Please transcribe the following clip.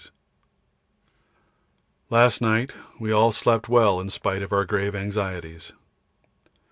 Last night we all slept well in spite of our grave anxieties.